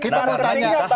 nah ketingnya pak juki